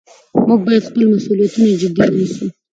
موږ باید خپل مسؤلیتونه جدي ونیسو